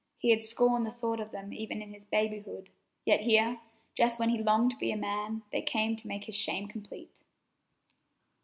He had scorned the thought of them even in his babyhood, yet here, just when he longed to be a man, they came to make his shame complete.